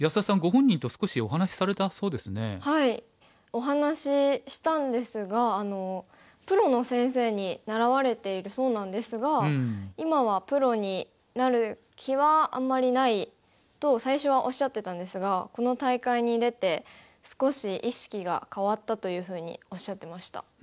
お話ししたんですがプロの先生に習われているそうなんですが今はプロになる気はあんまりないと最初はおっしゃってたんですがこの大会に出て少し意識が変わったというふうにおっしゃってました。